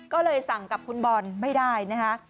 ก็เลยสั่งกับคุณบอลไม่ได้นะคะ